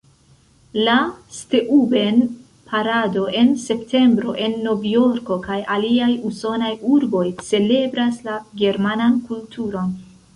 La Steuben-parado en septembro en Novjorko kaj aliaj usonaj urboj celebras la germanan kulturon.